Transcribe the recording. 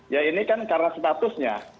ya ini kan karena statusnya